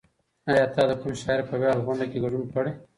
ایا ته د کوم شاعر په ویاړ غونډه کې ګډون کړی؟